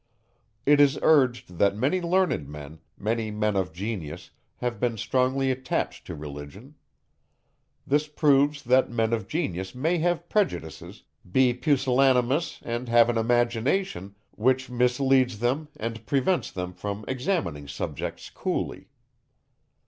It is urged, that many learned men, many men of genius have been strongly attached to Religion. This proves, that men of genius may have prejudices, be pusillanimous, and have an imagination, which misleads them and prevents them from examining subjects coolly.